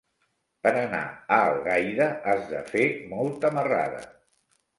Per anar a Algaida has de fer molta marrada.